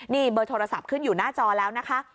นี่เบอร์โทรศัพท์ขึ้นอยู่หน้าจอแล้วนะคะ